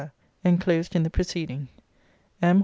[ENCLOSED IN THE PRECEDING.] M.